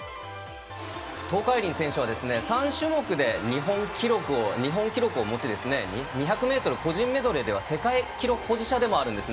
東海林選手は３種目で日本記録を持ち２００ｍ個人メドレーでは世界記録保持者でもあります。